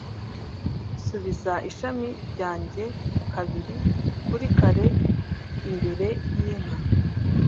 Subiza ishami ryanjye kabiri kuri kare imbere yinka